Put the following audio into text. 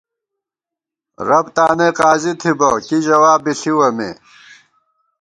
رب تانَئ قاضی تھِبہ کی جواب بی ݪِوَہ مے